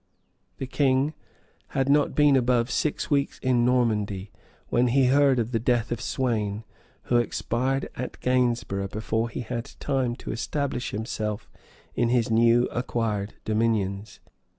The king had not been above six weeks in Normandy, when he heard of the death of Sweyn, who expired at Gainsborough, before he had time to establish himself in his new acquired dominions.